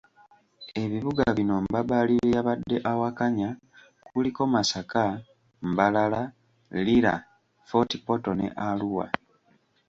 Ebibuga bino Mbabali bye yabadde awakanya kuliko; Masaka, Mbarara, Lira, Fort portal ne Arua.